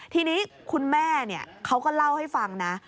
ทีนี้คุณแม่เขาก็เล่าให้ฟังนะ